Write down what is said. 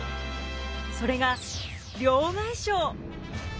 それが両替商。